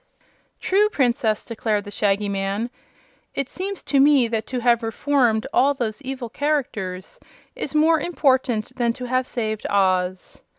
"True, Princess," declared the Shaggy Man. "It seems to me that to have reformed all those evil characters is more important than to have saved Oz."